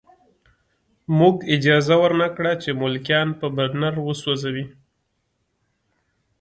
موږ اجازه ورنه کړه چې ملکیان په برنر وسوځوي